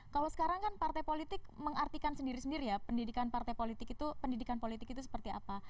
kalau sekarang kan partai politik mengartikan sendiri sendiri ya pendidikan partai politik itu pendidikan politik itu seperti apa